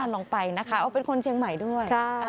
ลองไปนะคะเอาเป็นคนเชียงใหม่ด้วย